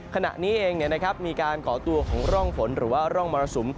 ขณะนี้เองมีการก่อตัวของร่องฝนหรือว่าร่องมรสุม